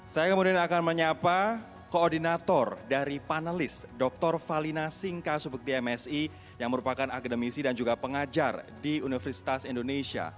saya kemudian akan menyapa koordinator dari panelis dr valina singka subukti msi yang merupakan akademisi dan juga pengajar di universitas indonesia